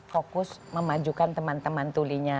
fokus memajukan teman teman tulinya